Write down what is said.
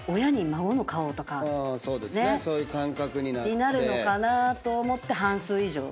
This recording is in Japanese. なるのかなと思って半数以上。